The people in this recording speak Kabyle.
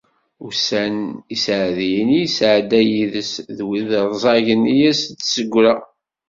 Ussan iseɛdiyen i yesɛedda yid-s d wid rẓagen i as-d-tesseggra.